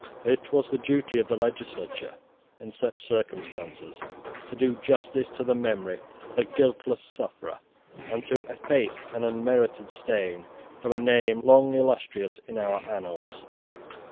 It was the duty of the legislature, in such circumstances, to do justice to the memory of a guiltless sufferer, and to efface an unmerited stain from a name long illustrious in our annals.